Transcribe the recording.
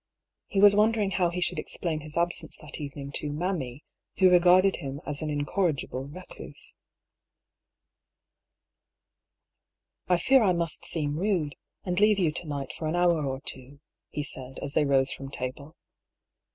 He was wondering how he should explain his absence that even "'TWIXT THE CUP AND THE LIP." 215 ing to " mammy," who regarded him as an incorrigible recluse. " I fear I must seem rude, and leave you to night for an hour or two," he said, as they rose from table.